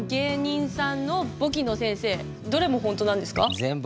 どれも本当なんですか？